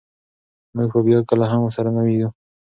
موږ به بیا کله هم سره نه وینو.